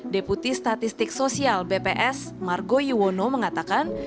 deputi statistik sosial bps margo yuwono mengatakan